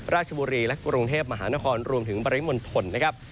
ราชบุรีและกรุงเทพมหานครรวมถึงปริมณฑลนะครับ